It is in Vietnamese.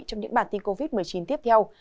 trong những bản tin covid một mươi chín tiếp theo